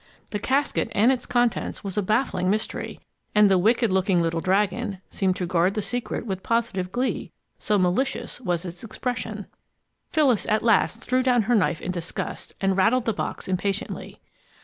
The casket and its contents was a baffling mystery, and the wicked looking little dragon seemed to guard the secret with positive glee, so malicious was its expression! Phyllis at last threw down her knife in disgust and rattled the box impatiently.